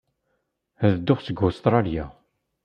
Ad dduɣ seg Ustṛalya.